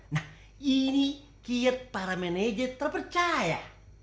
nah ini kiat para manajer terpercaya